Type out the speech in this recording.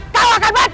kau akan mati